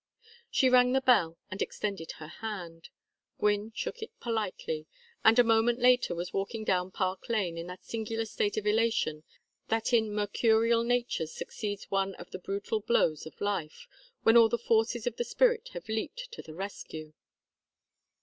She rang the bell and extended her hand. Gwynne shook it politely; and a moment later was walking down Park Lane in that singular state of elation that in mercurial natures succeeds one of the brutal blows of life, when all the forces of the spirit have leaped to the rescue.